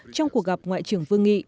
trong cuộc gặp ngoại trưởng vương nghị